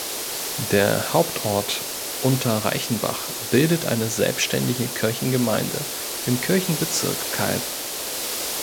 Der Hauptort Unterreichenbach bildet eine selbständige Kirchengemeinde im Kirchenbezirk Calw.